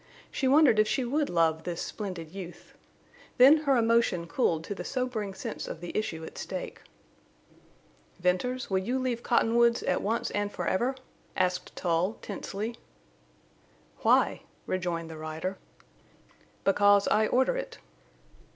She wondered if she would love this splendid youth. Then her emotion cooled to the sobering sense of the issue at stake. "Venters, will you leave Cottonwoods at once and forever?" asked Tull, tensely. "Why?" rejoined the rider. "Because I order it."